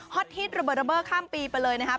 ฮิตระเบิดระเบิดข้ามปีไปเลยนะครับ